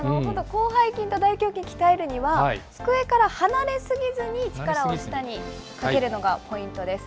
広背筋と大胸筋鍛えるには、机から離れ過ぎずに力を下にかけるのがポイントです。